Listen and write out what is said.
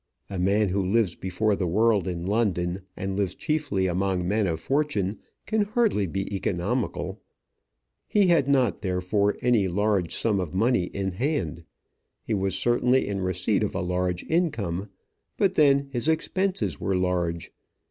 A man who lives before the world in London, and lives chiefly among men of fortune, can hardly be economical. He had not therefore any large sum of money in hand. He was certainly in receipt of a large income, but then his expenses were large.